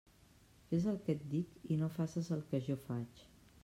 Fes el que et dic i no faces el que jo faig.